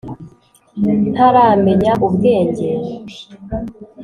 Ntaramenya ubwenge